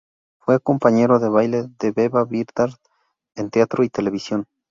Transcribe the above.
Fue compañero de baile de Beba Bidart en teatro y televisión.